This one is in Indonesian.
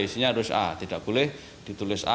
isinya harus a tidak boleh ditulis a